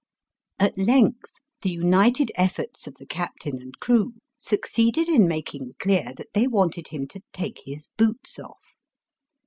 At length the united efforts of the captain and crew succeeded in making clear that they wanted him to take his boots off.